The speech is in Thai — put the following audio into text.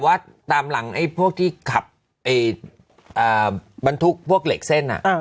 ว่าตามหลังไอ้พวกที่ขับไอ้อ่ามันทุกพวกเหล็กเส้นอ่ะอ่า